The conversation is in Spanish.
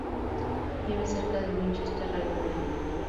Vive cerca de Winchester, Reino Unido.